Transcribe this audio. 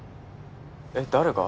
えっ誰が？